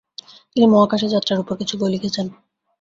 তিনি মহাকাশে যাত্রার উপর কিছু বই লিখেছেন।